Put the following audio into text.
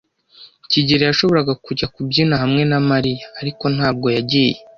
kigeli yashoboraga kujya kubyina hamwe na Mariya, ariko ntabwo yagiye.